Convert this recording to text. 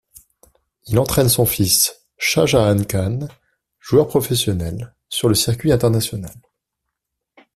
Il entraîne son fils Shahjahan Khan, joueur professionnel sur le circuit international.